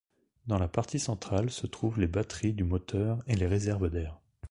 Dans la partie centrale se trouve les batteries du moteur et les réserves d'air.